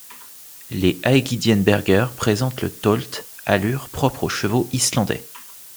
Les Aegidienberger présentent le tölt, allure propre aux chevaux islandais.